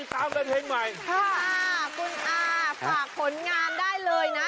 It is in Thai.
คุณอ่าคุณอ่าฝากผลงานได้เลยนะ